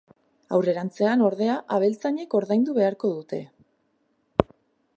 Aurrerantzean, ordea, abeltzainek ordaindu beharko dute.